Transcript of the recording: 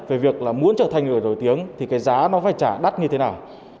về việc là muốn trở thành người nổi tiếng thì cái giá nó phải trả đắt như thế nào